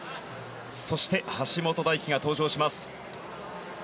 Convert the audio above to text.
そして、橋本大輝が登場します。